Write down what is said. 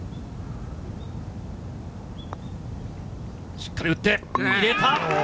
しっかり打って入れた！